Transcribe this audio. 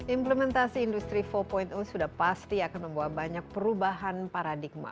implementasi industri empat sudah pasti akan membawa banyak perubahan paradigma